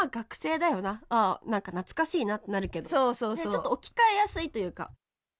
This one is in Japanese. ちょっと置き換えやすいというか。